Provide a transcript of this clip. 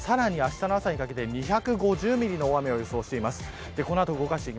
さらにあしたの朝にかけて２５０ミリの大雨を予想しています。